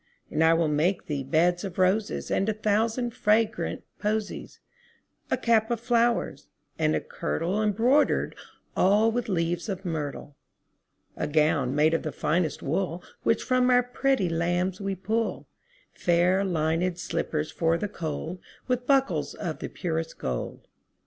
And I will make thee beds of roses And a thousand fragrant posies; 10 A cap of flowers, and a kirtle Embroider'd all with leaves of myrtle. A gown made of the finest wool Which from our pretty lambs we pull; Fair linèd slippers for the cold, 15 With buckles of the purest gold.